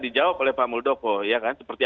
dijawab oleh pak muldoko seperti